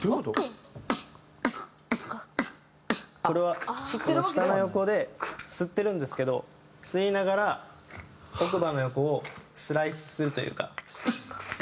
これは舌の横で吸ってるんですけど吸いながら奥歯の横をスライスするというか。